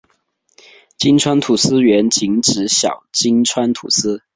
金川土司原仅指小金川土司。